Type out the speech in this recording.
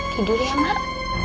tidur ya mak